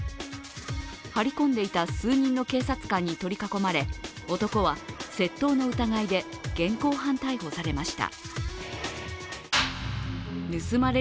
張り込んでいた数人の警察官に取り囲まれ男は窃盗の疑いで現行犯逮捕されました。